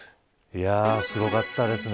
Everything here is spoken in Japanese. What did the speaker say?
いやあ、すごかったですね。